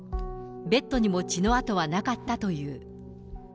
ベッドにも血の跡はなかったという。